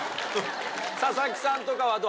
佐々木さんとかはどう？